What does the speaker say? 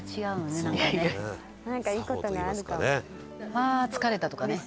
「“ああ疲れた”とかね